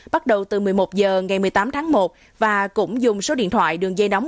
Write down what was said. bắt đầu từ một mươi một h ngày một mươi tám tháng một và cũng dùng số điện thoại đường dây nóng